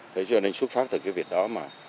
thế cho nên xuất phát từ cái việc đó mà